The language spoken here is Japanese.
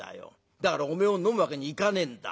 だからおめえを飲むわけにいかねえんだ。